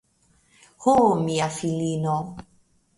Ho, mia filino!